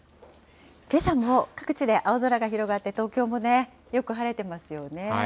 けさも各地で青空が広がって、東京もね、よく晴れてますよね。